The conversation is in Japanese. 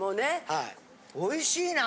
はいおいしいな。